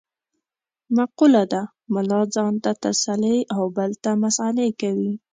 مقوله ده : ملا ځان ته تسلې او بل ته مسعلې کوي.